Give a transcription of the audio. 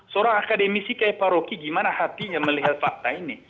seorang akademisi kayak pak rocky gimana hatinya melihat fakta ini